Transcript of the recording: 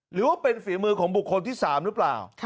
หรือว่าเป็นฝีมือของบุคคลที่๓หรือเปล่า